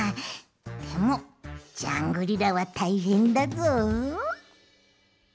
でもジャングリラはたいへんだぞ。